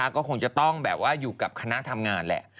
ก็คงจะต้องแบบว่าอยู่กับคณะทำงานแหละ